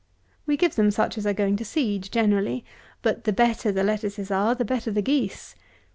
We give them such as are going to seed generally; but the better the lettuces are, the better the geese.